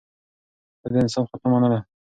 ده د انسان خطا منله.